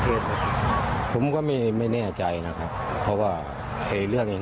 เพศหรอครับผมก็ไม่ไม่แน่ใจนะครับเพราะว่าไอเรื่องอย่าง